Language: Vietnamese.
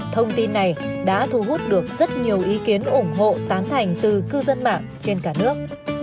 thông tin này đã thu hút được rất nhiều ý kiến ủng hộ tán thành từ cư dân mạng trên cả nước